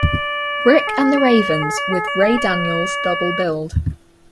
Rick and the Ravens", with "Ray Daniels" double billed.